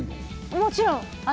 もちろん。